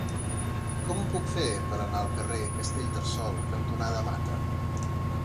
Com ho puc fer per anar al carrer Castellterçol cantonada Mata?